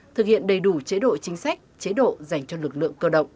thực hiện đầy đủ chế độ chính sách chế độ dành cho lực lượng cơ động